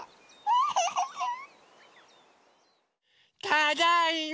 ただいま！